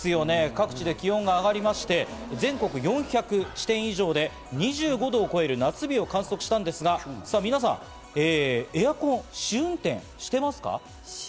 各地で気温も上がりまして、全国の４００地点以上で２５度を超える夏日を観測したんですが、皆さん、エアコン、試運転していますか？